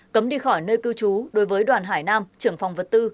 cấm đi khỏi nơi cư trú đối với đoàn hải nam trưởng phòng vật tư